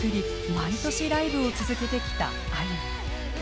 毎年ライブを続けてきたあゆ。